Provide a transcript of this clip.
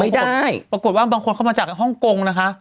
ได้ปรากฏว่าบางคนเข้ามาจากฮ่องกงนะคะ